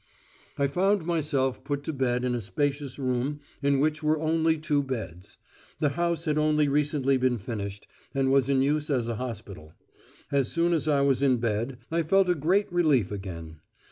I found myself put to bed in a spacious room in which were only two beds. The house had only recently been finished, and was in use as a hospital. As soon as I was in bed, I felt a great relief again.